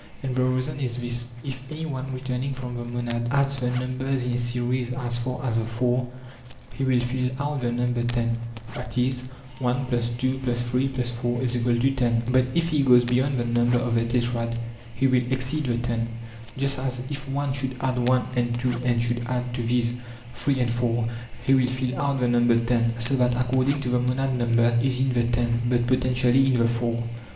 And the reason is this: if any one treturningt from the monad adds the numbers in a series as far as the four, he will fill out the number ten (i.e. 1+2+8+4=10); but if he goes beyond the number of the tetrad, he will exceed the ten. Just as if one should add one and two and should add to these three and four, he will fill out the number ten; so that according to the monad number is in the ten, but potentially in the four.